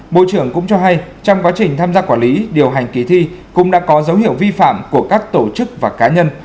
bộ trưởng cũng cho hay trong quá trình tham gia quản lý điều hành kỳ thi cũng đã có dấu hiệu vi phạm của các tổ chức và cá nhân